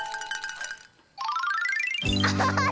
アハハ